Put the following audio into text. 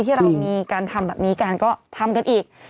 ที่เรามีการทำแบบนี้กันก็ทำกันอีก